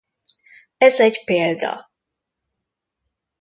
Ez egy példa.